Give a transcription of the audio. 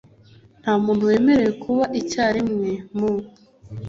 Nta muntu wemerewe kuba icyarimwe mu